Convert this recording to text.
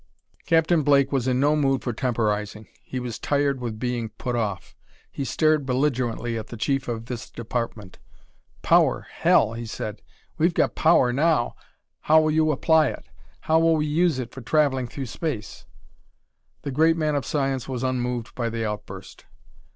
Captain Blake was in no mood for temporizing; he was tired with being put off. He stared belligerently at the chief of this department. "Power hell!" he said. "We've got power now. How will you apply it? How will we use it for travelling through space?" The great man of science was unmoved by the outburst.